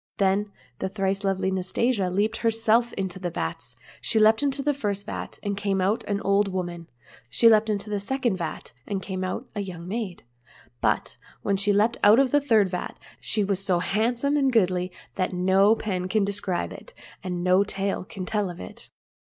Then the thrice lovely Nastasia herself leaped into the vats. She leaped into the first vat, and came out an old woman ; she leaped into the second vat, and came out a young maid ; but when she leaped out of the third vat, she was so hand some and goodly that no pen can describe it, and no tale can tell of it.